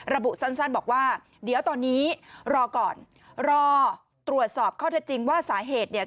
ระบุสั้นบอกว่าเดี๋ยวตอนนี้รอก่อนรอตรวจสอบข้อเท็จจริงว่าสาเหตุเนี่ย